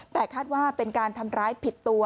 แต่คาดว่าเป็นการทำร้ายผิดตัว